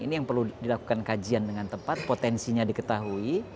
ini yang perlu dilakukan kajian dengan tepat potensinya diketahui